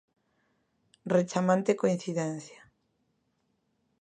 Rechamante coincidencia.